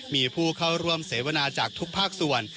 มีผู้เข้าร่วมเสวนาจากทุกภาคส่วน